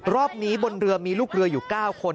รอบนี้บนเรือมีลูกเรืออยู่๙คน